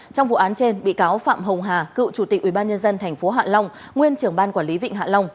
trong vụ án trên bị cáo phạm hồng hà cựu chủ tịch ubnd tp hạ long nguyên trưởng ban quản lý vịnh hạ long